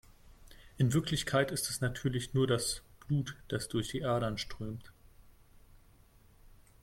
In Wirklichkeit ist es natürlich nur das Blut, das durch die Adern strömt.